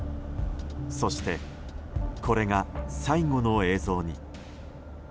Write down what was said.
そして、これが最後の映像に。